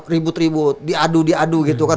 ribut ribut diadu diadu gitu kan